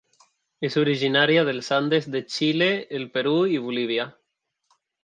És originària dels Andes de Xile, el Perú i Bolívia.